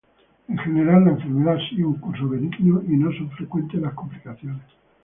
En general la enfermedad sigue un curso benigno y no son frecuentes las complicaciones.